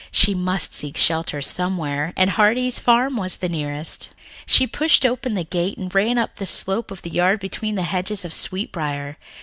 She must seek shelter somewhere, and Heartsease Farm was the nearest. She pushed open the gate and ran up the slope of the yard between the hedges of sweetbriar.